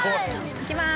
いきます